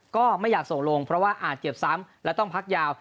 ก็ไม่อยากส่งลงเพราะว่าอาจเจ็บซ้ำและต้องพักยาว